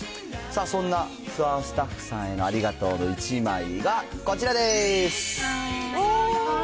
そんなツアースタッフさんへのありがとうの１枚がこちらです。